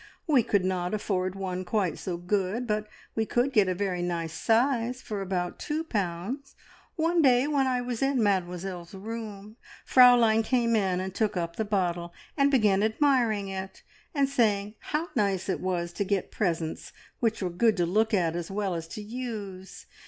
We could not afford one quite so good, but we could get a very nice size for about two pounds. One day when I was in Mademoiselle's room, Fraulein came in and took up the bottle, and began admiring it, and saying how nice it was to get presents which were good to look at, as well as to use.